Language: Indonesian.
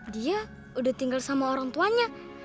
dia udah tinggal sama orang tuanya